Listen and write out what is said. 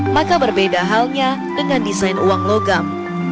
maka berbeda halnya dengan desain uang logam